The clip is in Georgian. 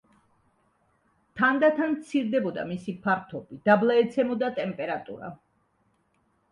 თანდათან მცირდებოდა მისი ფართობი, დაბლა ეცემოდა ტემპერატურა.